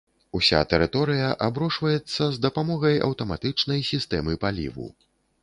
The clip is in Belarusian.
Уся тэрыторыя аброшваецца з дапамогай аўтаматычнай сістэмы паліву.